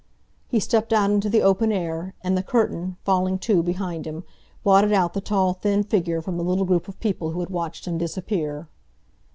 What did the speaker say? He stepped out into the open air, and the curtain, falling to behind him, blotted out the tall, thin figure from the little group of people who had watched him disappear.